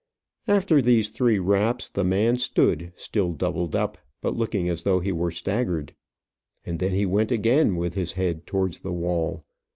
After these three raps, the man stood, still doubled up, but looking as though he were staggered. And then he went again with his head towards the wall.